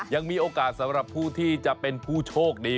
ยังมีโอกาสสำหรับผู้ที่จะเป็นผู้โชคดี